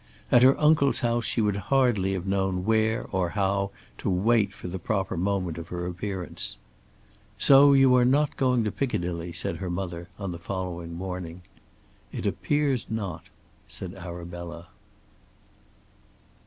At her uncle's house she would hardly have known where or how to wait for the proper moment of her appearance. "So you are not going to Piccadilly," said her mother on the following morning. "It appears not," said Arabella.